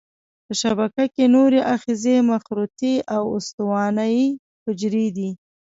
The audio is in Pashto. په شبکیه کې نوري آخذې مخروطي او استوانه یي حجرې دي.